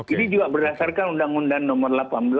ini juga berdasarkan undang undang nomor delapan belas dua ribu sembilan